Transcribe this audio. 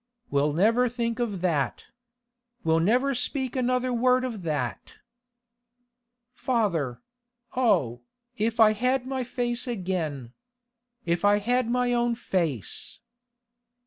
'We'll never think of that. We'll never speak another word of that.' 'Father—Oh, if I had my face again! If I had my own face!